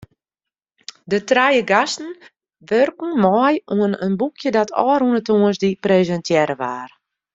De trije gasten wurken mei oan in boekje dat ôfrûne tongersdei presintearre waard.